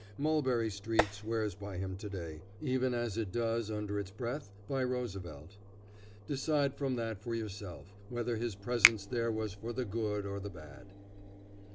Mulberry Street swears by him to day, even as it does, under its breath, by Roosevelt. Decide from that for yourself whether his presence there was for the good or the bad.